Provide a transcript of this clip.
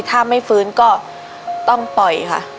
ถ้าไม่ฟื้นก็ต้องปล่อยค่ะ